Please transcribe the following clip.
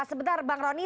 sebentar bang rony